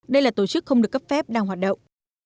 đây là tổ chức không được cấp phép đang hoạt động